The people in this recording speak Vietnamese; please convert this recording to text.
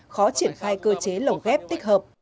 khó triển khai cơ chế lợi